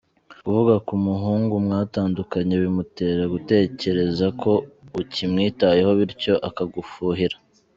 Kuvuga ku muhungu mwatandukanye bimutera gutekereza ko ukimwitayeho bityo akagufuhira.